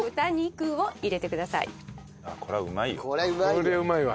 これはうまいよ。